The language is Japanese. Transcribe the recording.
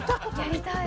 やりたい！